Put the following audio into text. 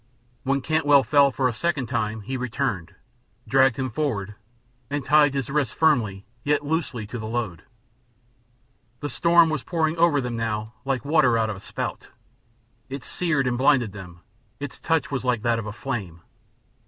When Cantwell fell, for a second time, he returned, dragged him forward, and tied his wrists firmly, yet loosely, to the load. The storm was pouring over them now, like water out of a spout; it seared and blinded them; its touch was like that of a flame.